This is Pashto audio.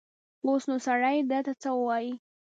اوس نو سړی ده ته څه ووايي.